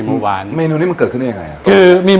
สวัสดีครับผม